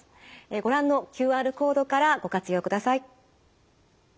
ご覧のＱＲコードからご活用ください。